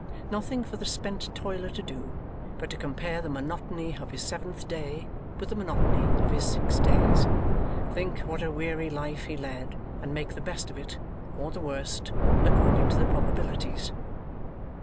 Nothing for the spent toiler to do, but to compare the monotony of his seventh day with the monotony of his six days, think what a weary life he led, and make the best of it or the worst, according to the probabilities.